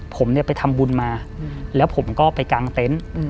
ผมเนี่ยไปทำบุญมาแล้วผมก็ไปกางเต็นต์